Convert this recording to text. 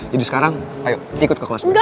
jadi sekarang ayo ikut ke kelas berikutnya